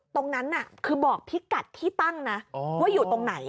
ตรงนั้นคือบอกพิกัดที่ตั้งนะว่าอยู่ตรงไหน